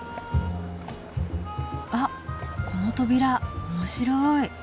あっこの扉面白い。